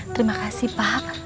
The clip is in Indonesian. terima kasih pak